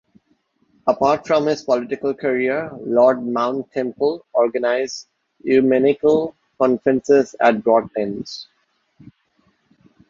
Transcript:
Apart from his political career Lord Mount Temple organized ecumenical conferences at Broadlands.